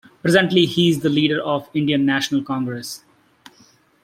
Presently he is the leader of Indian National Congress.